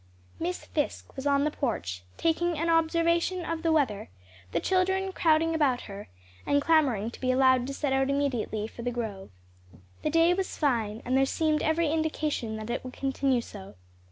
Miss Fisk was on the porch taking an observation of the weather, the children crowding about her, and clamoring to be allowed to set out immediately for the grove. The day was fine, and there seemed every indication that it would continue so.